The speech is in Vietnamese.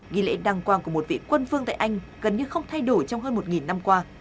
nghi lễ đăng quang của một vị quân phương tại anh gần như không thay đổi trong hơn một năm qua